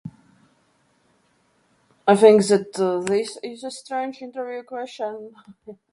I think that, uh, this is a strange interview question.